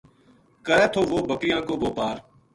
کرے تھو وہ بکریاں کو بوپار